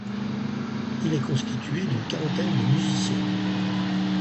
Il est constitué d'une quarantaine de musiciens.